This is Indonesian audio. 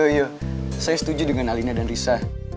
ya saya setuju dengan alina dan risa